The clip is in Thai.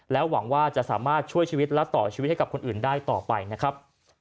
หวังว่าจะสามารถช่วยชีวิตและต่อชีวิตให้กับคนอื่นได้ต่อไปนะครับ